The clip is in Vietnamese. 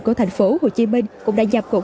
của thành phố hồ chí minh cũng đã giao cục